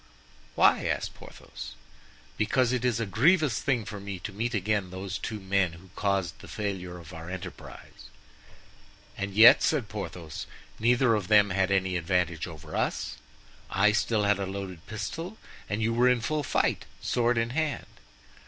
"Why?" asked Porthos. "Because it is a grievous thing for me to meet again those two men who caused the failure of our enterprise." "And yet," said Porthos, "neither of them had any advantage over us. I still had a loaded pistol and you were in full fight, sword in hand."